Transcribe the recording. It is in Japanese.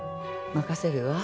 任せるわ。